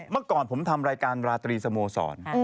เมื่อก่อนผมทำรายการราตรีสโมสร